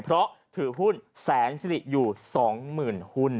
เพราะถือหุ้นแสนซิริอยู่สองหมื่นหุ้น